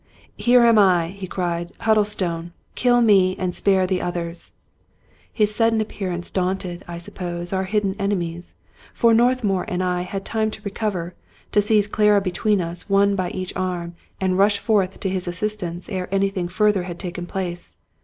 " Here am I !" he cried —" Huddlestone I Kill me, and spare the others !" His sudden appearance daunted, I suppose, our hidden enemies ; for Northmour and I had time to recover, to seize Clara between us, one by each arm, and to rush forth to his assistance, ere anything further had taken place.